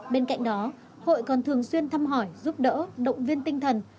bên cạnh đó hội còn thường xuyên thăm hỏi giúp đỡ động viên tinh thần